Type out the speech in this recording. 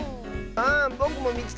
あぼくもみつけたい！